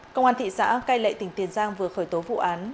công an thị xã cai lệ tỉnh tiền giang vừa khởi tố vụ án